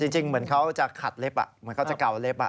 จริงเหมือนเขาจะขัดเล็บเหมือนเขาจะเกาเล็บ